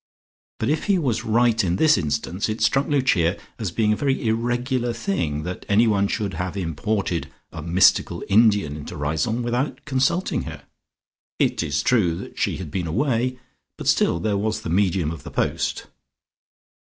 But if he was right in this instance, it struck Lucia as being a very irregular thing that anyone should have imported a mystical Indian into Riseholme without consulting her. It is true that she had been away, but still there was the medium of the post.